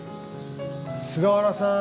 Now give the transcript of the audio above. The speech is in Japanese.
菅原さん